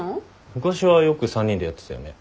昔はよく３人でやってたよね。